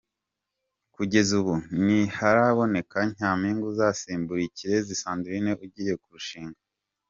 Kugeza ubu ntiharaboneka Nyampinga uzasimbura Ikirezi Sandrine ugiye kurushinga.